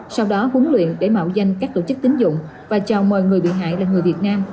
sau đó huấn luyện để mạo danh các tổ chức tính dụng và chào mời người bị hại là người việt nam